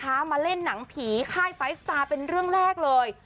มาเล่นหนังผีค่ายไฟล์สตาร์เป็นเรื่องแรกเลย